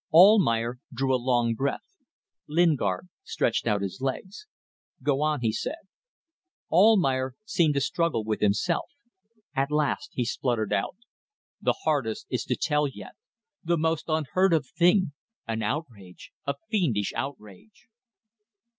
Almayer drew a long breath. Lingard stretched out his legs. "Go on!" he said. Almayer seemed to struggle with himself. At last he spluttered out: "The hardest is to tell yet. The most unheard of thing! An outrage! A fiendish outrage!"